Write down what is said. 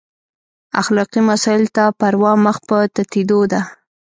اخلاقي مسایلو ته پروا مخ په تتېدو ده.